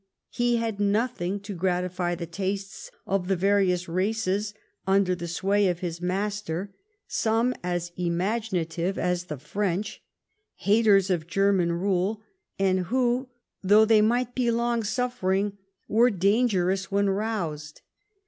He had nothing to gratify the tastes of the various races un/1er the sway of his master, some as imaginative as the L 146 LIFE OF PRINCE METTEBNICH. French, haters of German rule, and who, tnouga they might be long suffering, were dangerous when roused.